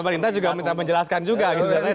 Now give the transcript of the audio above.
pemerintah juga minta menjelaskan juga gitu